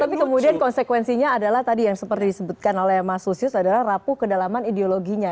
tapi kemudian konsekuensinya adalah tadi yang seperti disebutkan oleh mas lusius adalah rapuh kedalaman ideologinya